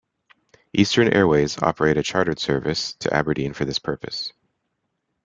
Eastern Airways operate a chartered service to Aberdeen for this purpose.